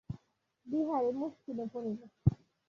বিহারী মুশকিলে পড়িল।